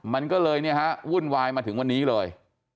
มันก็เลยวุ่นวายมาถึงวันนี้เลย